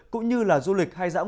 cũng như là du lịch hay dạng